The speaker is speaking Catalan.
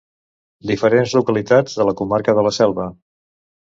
Diferents localitats de la comarca de la Selva.